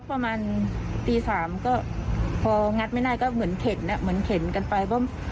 ประมาณตีสามก็พองัดไม่ได้ก็เหมือนเข็นเหมือนเข็นกันไปว่า